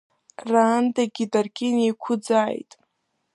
Раандагьы даргьы неиқәыӡааит!